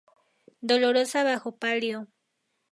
Dolorosa bajo palio.